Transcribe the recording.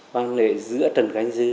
quan hệ giữa trần khánh dư